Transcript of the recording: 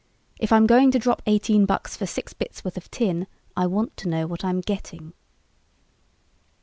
If I'm going to drop eighteen bucks for six bits worth of tin, I want to know what I'm getting."